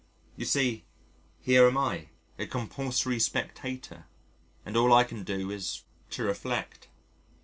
You see, here am I, a compulsory spectator, and all I can do is to reflect.